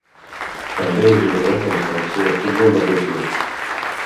També és jugador de la Selecció de futbol de Rússia.